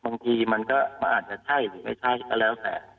บางทีมันก็อาจจะใช่หรือไม่ใช่ก็แล้วแต่